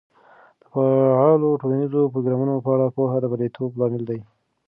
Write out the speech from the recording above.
د فعالو ټولنیزو پروګرامونو په اړه پوهه د بریالیتوب لامل دی.